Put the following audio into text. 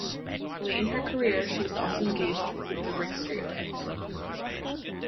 Late in her career she was also engaged with the Riksteatret.